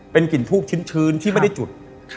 เป็นกลิ่นทูบชื้นที่ไม่ได้จุด